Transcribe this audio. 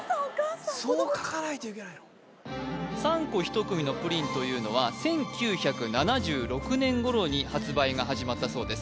そう書かないといけないの３個１組のプリンというのは１９７６年頃に発売が始まったそうです